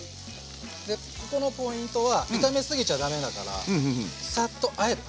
でここのポイントは炒めすぎちゃ駄目だからサッとあえる。